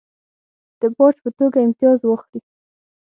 د باج په توګه امتیاز واخلي.